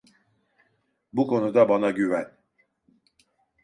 Bu konuda bana güven.